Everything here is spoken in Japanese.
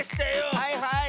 はいはい！